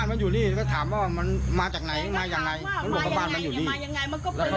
โดยหมายให้รู้บ้านปกติค่ะ